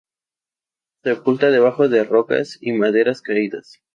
Se oculta debajo de rocas y maderas caídas.